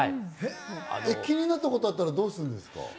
気になったことあったら、どうするんですか？